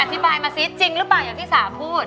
อธิบายมาซิจริงหรือเปล่าอย่างที่สาพูด